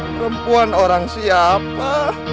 perempuan orang siapa